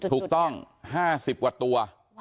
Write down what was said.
ถูกต้อง๕๐กว่าตัว